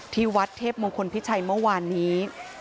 ที่วัดเทพมงคลพิชัยเมื่อวานนี้